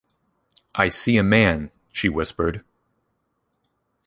"I see a man," she whispered.